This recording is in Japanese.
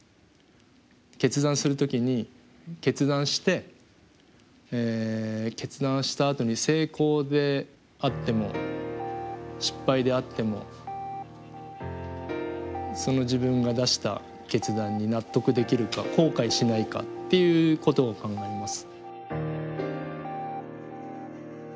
決断する時に決断して決断したあとに成功であっても失敗であってもその自分が出した決断に納得できるか後悔しないかっていうことを考えます。